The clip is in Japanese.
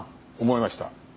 思いました。